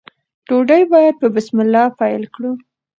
ډوډۍ باید په بسم الله پیل کړو.